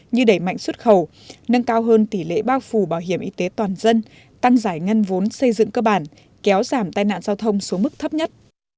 như đẩy mạnh xuất khẩu nâng cao hơn tỷ lệ bao phủ bảo hiểm y tế toàn dân tăng giải ngân vốn xây dựng cơ bản kéo giảm tai nạn giao thông xuống mức thấp nhất